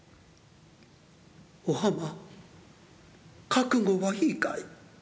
「お浜覚悟はいいかい？」。